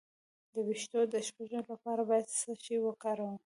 د ویښتو د شپږو لپاره باید څه شی وکاروم؟